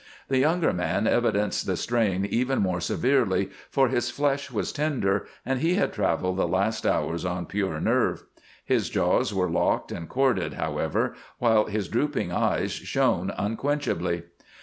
The younger man evidenced the strain even more severely, for his flesh was tender, and he had traveled the last hours on pure nerve. His jaws were locked and corded, however, while his drooping eyes shone unquenchably.